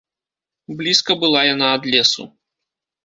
Блізка была яна ад лесу.